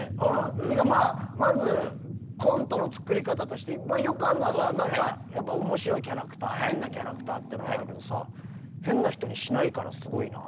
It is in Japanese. ってかまあまずコントの作り方としてまあよくあんのはさやっぱ面白いキャラクター変なキャラクターってのはあるけどさ変な人にしないからすごいなと思った。